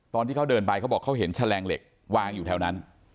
ตอนที่เขาเดินไปเขาบอกเขาเห็นแฉลงเหล็กวางอยู่แถวนั้น